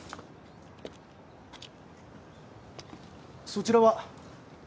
そちらは？